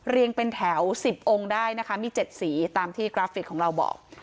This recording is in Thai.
เป็นแถว๑๐องค์ได้นะคะมี๗สีตามที่กราฟิกของเราบอก